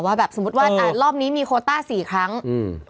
แบบสมมุติว่าอ่ารอบนี้มีโคต้าสี่ครั้งอืม